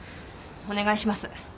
お願いします。